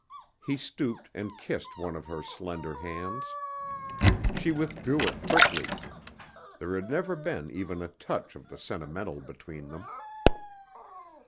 He stooped and kissed one of her slender hands. She withdrew it quickly; there had never been even a touch of the sentimental between them.